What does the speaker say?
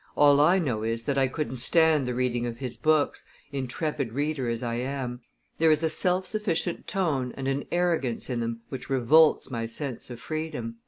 All I know is that I couldn't stand the reading of his, books, intrepid reader as I am; there is a self sufficient tone and an arrogance in them which revolts my sense of freedom."